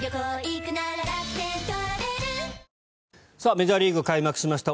メジャーリーグ開幕しました。